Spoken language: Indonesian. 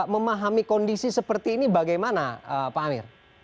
memahami kondisi seperti ini bagaimana pak amir